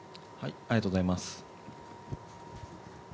ありがとうございます。